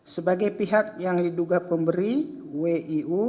sebagai pihak yang diduga pemberi wiu